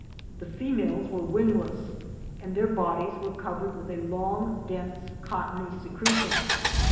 The females were wingless and their bodies were covered with a long dense cottony secretion.